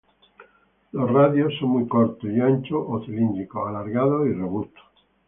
Los radios son muy cortos y anchos o cilíndricos, alargados y robustos.